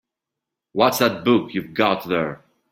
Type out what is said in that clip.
What's that book you've got there?